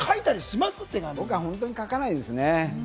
僕は本当に書かないですね。